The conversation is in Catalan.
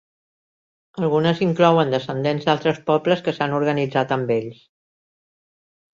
Algunes inclouen descendents d'altres pobles que s'han organitzat amb ells.